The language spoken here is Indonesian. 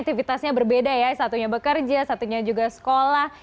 aktivitasnya berbeda ya satunya bekerja satunya juga sekolah